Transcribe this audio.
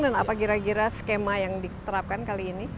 dan apa kira kira skema yang diterapkan kali ini